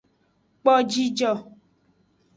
Kpo jijo.